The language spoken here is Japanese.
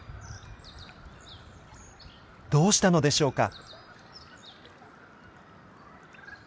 どうしたのでしょうか？